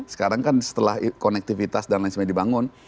sekarang kan setelah konektivitas dan lain sebagainya dibangun